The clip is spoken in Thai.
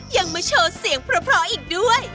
ยังมาโชว์เสียงเพราะอีกด้วย